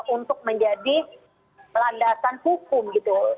untuk menjadi landasan hukum gitu